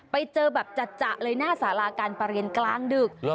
ไปเจอแบบจัดเลยหน้าสาราการประเรียนกลางดึก